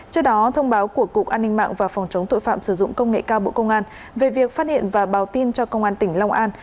trước đó thông báo của cục an ninh mạng và phòng chống tội phạm sử dụng công nghệ cao bộ công an về việc phát hiện và báo tin cho công an tỉnh long an